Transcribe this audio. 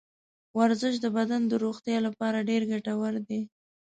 ورزش د بدن د روغتیا لپاره ډېر ګټور دی.